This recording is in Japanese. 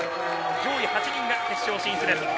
上位８人が決勝進出です。